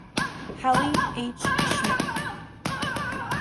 Halle, H. Schmidt.